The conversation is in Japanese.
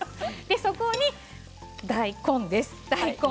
ここに大根です。